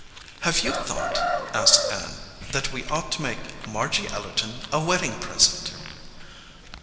"Have you thought," asked Ann, "that we ought to make Margy Ellerton a wedding present?"